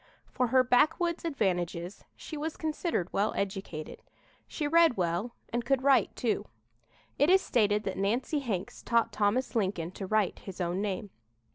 For her backwoods advantages she was considered well educated. She read well and could write, too. It is stated that Nancy Hanks taught Thomas Lincoln to write his own name.